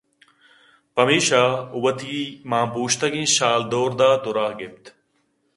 پمیشاوتی مانپوٛشتگیں شالے دئور دات ءُ رہ گپت